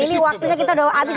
ini waktunya kita udah habis